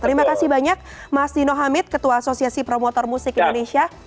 terima kasih banyak mas dino hamid ketua asosiasi promotor musik indonesia